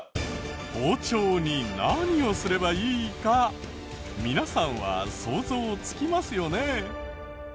包丁に何をすればいいか皆さんは想像つきますよね？